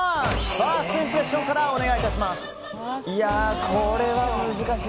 ファーストインプレッションからこれは難しい。